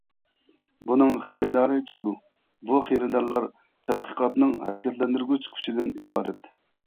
بۇنىڭ خېرىدارى چىقىدۇ، بۇ خېرىدارلار تەتقىقاتنىڭ ھەرىكەتلەندۈرگۈچ كۈچىدىن ئىبارەت.